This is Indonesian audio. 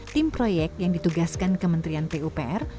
tim proyek yang ditugaskan kementerian pupr